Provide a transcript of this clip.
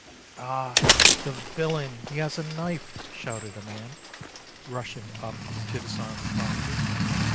"Ah, the villain! he has a knife!" shouted a man, rushing up to disarm Franti.